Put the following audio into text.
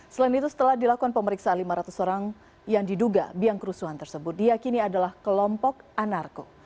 selain itu setelah dilakukan pemeriksaan lima ratus orang yang diduga biang kerusuhan tersebut diakini adalah kelompok anarko